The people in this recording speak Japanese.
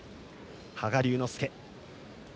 羽賀龍之介。